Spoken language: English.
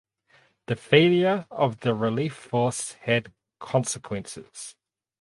The failure of the relief force had consequences.